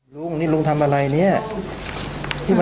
โปรดติดตามสวัสดีครับ